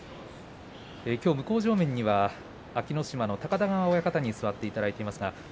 きょう向正面には安芸乃島の高田川親方に座っていただきます。